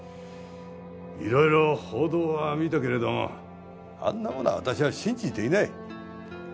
いろいろ報道は見たけれどもあんなものは私は信じていない。